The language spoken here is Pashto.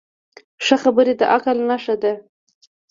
ښه خبرې د عقل نښه ده